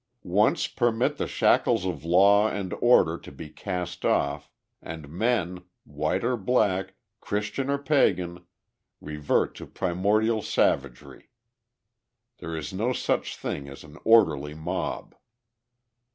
Once permit the shackles of law and order to be cast off, and men, white or black, Christian or pagan, revert to primordial savagery. There is no such thing as an orderly mob.